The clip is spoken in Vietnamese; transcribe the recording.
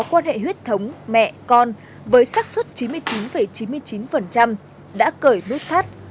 quan hệ huyết thống mẹ con với sắc xuất chín mươi chín chín mươi chín đã cởi nút thắt